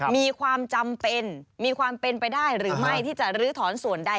มีความจำเป็นมีความเป็นไปได้หรือไม่ที่จะลื้อถอนส่วนใด